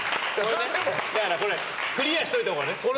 だからこれクリアしといた方がね。